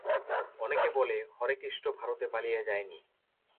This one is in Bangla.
অনেকে বলে, হরেকেষ্ট ভারতে পালিয়ে যায়নি।